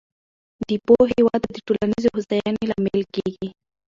د پوهې وده د ټولنیزې هوساینې لامل کېږي.